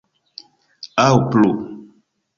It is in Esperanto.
Aŭ plu.